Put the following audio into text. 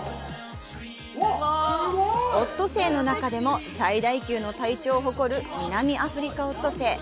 オットセイの中でも最大級の体長を誇るミナミアフリカオットセイ。